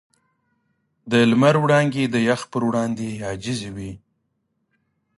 د لمر وړانګې د یخ پر وړاندې عاجزې وې.